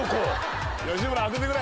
「吉村当ててくれ」